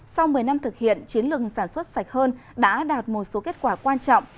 sau một mươi năm thực hiện chiến lược sản xuất sạch hơn đã đạt một số kết quả quan trọng